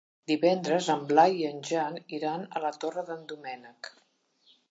Divendres en Blai i en Jan iran a la Torre d'en Doménec.